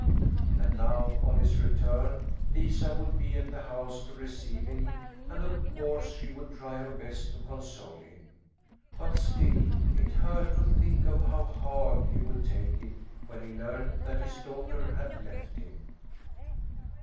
And now, on his return, Lisa would be at the house to receive him and of course she would try her best to console him; but still it hurt to think of how hard he would take it when he learned that his daughter had left him.